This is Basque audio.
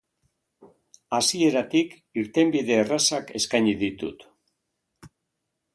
Hasieratik irtenbide errazak eskaini ditut.